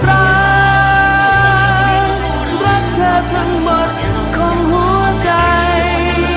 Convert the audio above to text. รักรักเธอทั้งหมดของหัวใจ